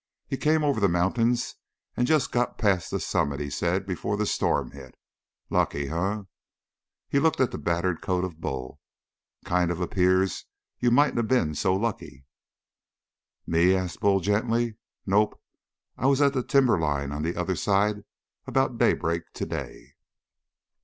He came over the mountains and just got past the summit, he said, before the storm hit. Lucky, eh?" He looked at the battered coat of Bull. "Kind of appears like you mightn't of been so lucky?" "Me?" asked Bull gently. "Nope. I was at the timberline on the other side about daybreak today."